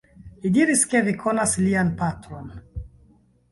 Li diris, ke vi konas lian patron.